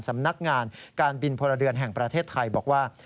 สำนักงานการบินพลเรือนแห่งประเทศไทยบอกว่า